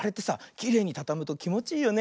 きれいにたたむときもちいいよね。